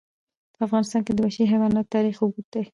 په افغانستان کې د وحشي حیوانات تاریخ اوږد دی.